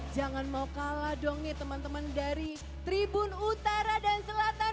jangan mau kalah dong nih teman teman dari tribun utara dan selatan